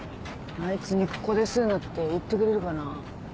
あいつにここで吸うなって言ってくれるかな。